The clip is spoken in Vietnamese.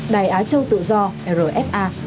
đài á châu tự do rfa